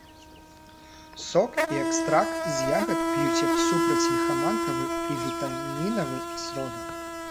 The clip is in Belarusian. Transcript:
Сок і экстракт з ягад п'юць як супрацьліхаманкавы і вітамінавы сродак.